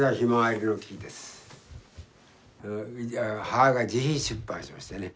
母が自費出版しましてね。